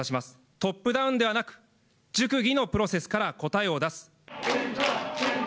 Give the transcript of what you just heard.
トップダウンではなく、熟議のプロセスから答えを出す。